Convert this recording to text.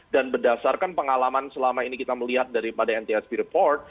dan berdasarkan pengalaman selama ini kita melihat daripada nthp report